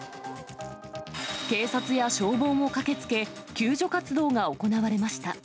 警察や消防も駆けつけ、救助活動が行われました。